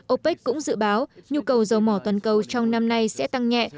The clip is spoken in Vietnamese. opec cũng dự báo nhu cầu dầu mỏ toàn cầu trong năm nay sẽ tăng nhẹ